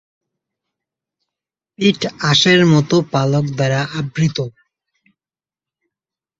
পিঠ আঁশের মত পালক দ্বারা আবৃত।